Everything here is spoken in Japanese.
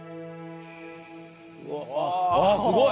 うわすごい！